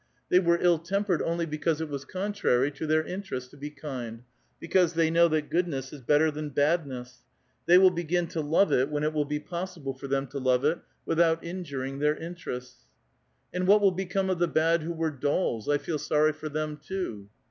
They were ill tempered only because it was contrary to their interests to be kind ; because they know that goodness is better than badness. Tliey will begin to love it when it will be possible for them to love it without injuring their interests." "And what will become of the bad who were dolls? I feel soiTy for them, too